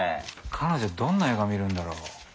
彼女どんな映画見るんだろ？